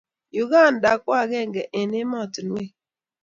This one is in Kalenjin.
Uganda ko akenge eng emotinwek